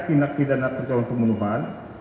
tindak pidana percobaan pembunuhan